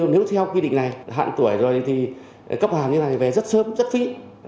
nếu theo quy định này hạng tuổi rồi thì cấp hạng như thế này về rất sớm rất phí